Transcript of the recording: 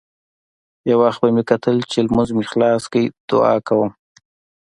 يو وخت به مې کتل چې لمونځ مې خلاص کړى دعا کوم.